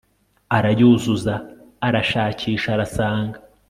Arayuzuza arashakisha arasanga